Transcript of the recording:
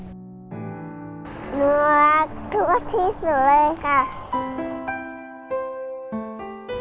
หนูรักทุกที่สุดเลยค่ะ